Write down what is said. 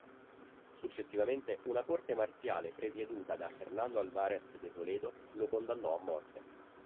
Successivamente, una corte marziale presieduta da Fernando Álvarez de Toledo lo condannò a morte.